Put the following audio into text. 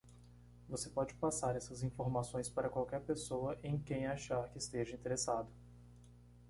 Você pode passar essas informações para qualquer pessoa em quem achar que esteja interessado.